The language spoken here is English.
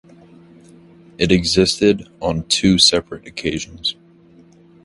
It existed on two separate occasions.